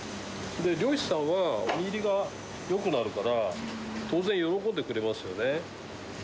漁師さんは、実入りがよくなるから、当然、喜んでくれますよね。